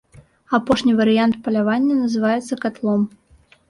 Апошні варыянт палявання называецца катлом.